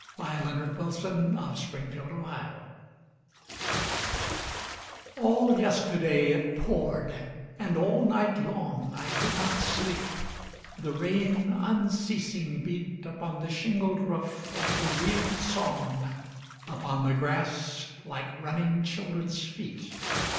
Claude McKay Summer Morn In New Hampshire ALL yesterday it poured, and all night long I could not sleep; the rain unceasing beat Upon the shingled roof like a weird song, Upon the grass like running children's feet.